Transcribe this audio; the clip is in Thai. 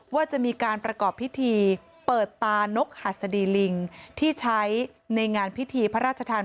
ว่าจะมีการประกอบพิธีเปิดตานกหัสดีลิงที่ใช้ในงานพิธีพระราชทาน